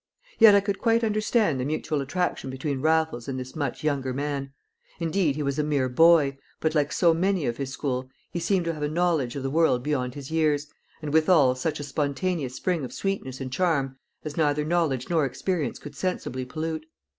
Yet I could quite understand the mutual attraction between Raffles and this much younger man; indeed he was a mere boy, but like so many of his school he seemed to have a knowledge of the world beyond his years, and withal such a spontaneous spring of sweetness and charm as neither knowledge nor experience could sensibly pollute.